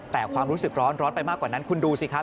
แต่ความรู้สึกร้อนไปมากกว่านั้นคุณดูสิครับ